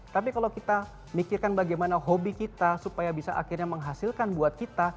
tapi kalau kita mikirkan bagaimana hobi kita supaya bisa akhirnya menghasilkan buat kita